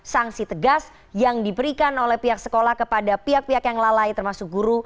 sanksi tegas yang diberikan oleh pihak sekolah kepada pihak pihak yang lalai termasuk guru